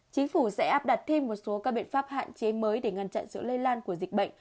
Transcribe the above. chính phủ sẽ áp đặt thêm một số các biện pháp hạn chế mới để ngăn chặn sự lây lan của dịch bệnh